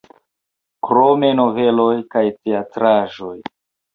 Krome noveloj kaj teatraĵoj.